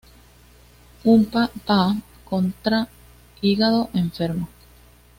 Umpa-pah contra Hígado Enfermo.